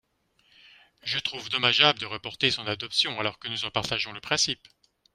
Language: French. Je trouve dommageable de reporter son adoption alors que nous en partageons le principe.